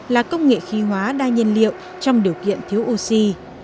là công nghệ khí hóa đa nhiên liệu trong điều kiện thiếu oxy